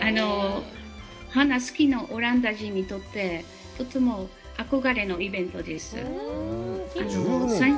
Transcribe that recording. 花好きのオランダ人にとって、とても憧れのイベントです。